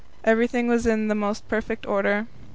Everything was in the most perfect order.